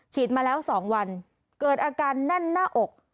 มาแล้ว๒วันเกิดอาการแน่นหน้าอก